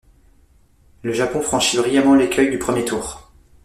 Le Japon franchit brillamment l'écueil du premier tour.